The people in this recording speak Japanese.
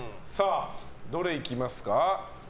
どれいきますか？